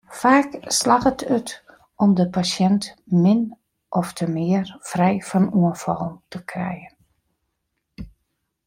Faak slagget it om de pasjint min ofte mear frij fan oanfallen te krijen.